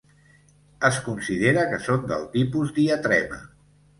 Es considera que són del tipus diatrema.